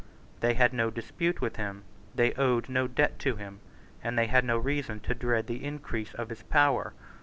They had no dispute with him; they owed no debt to him: and they had no reason to dread the increase of his power.